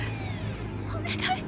お願い。